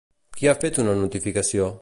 Qui ha fet una notificació?